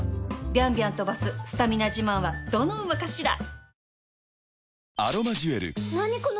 ビャンビャン飛ばすスタミナ自慢はどの馬かしら